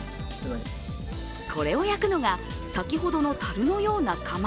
これを焼くのが先ほどのたるのような窯。